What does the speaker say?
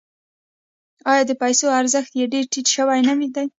آیا د پیسو ارزښت یې ډیر ټیټ شوی نه دی؟